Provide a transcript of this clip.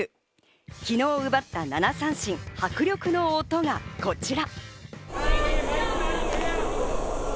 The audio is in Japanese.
昨日奪った７三振、迫力の音がこちら。